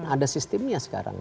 ada sistemnya sekarang